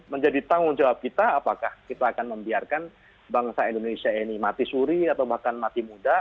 menjadi tanggung jawab kita apakah kita akan membiarkan bangsa indonesia ini mati suri atau bahkan mati muda